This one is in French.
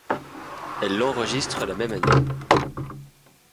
Elle l'enregistre la même année.